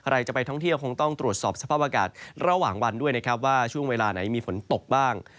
ใครจะไปท่องเที่ยวคงต้องตรวจสอบสภาพอากาศระหว่างวันด้วยนะครับว่าช่วงเวลาไหนมีฝนตกบ้าง